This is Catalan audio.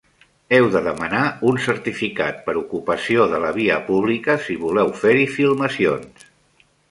Heu de demanar un certificat per ocupació de la via pública si voleu fer-hi filmacions.